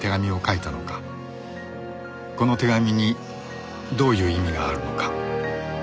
この手紙にどういう意味があるのか